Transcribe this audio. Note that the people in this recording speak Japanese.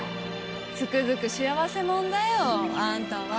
つくづく幸せもんだよあんたは。